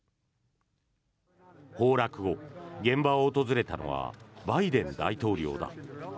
崩落後、現場を訪れたのはバイデン大統領だ。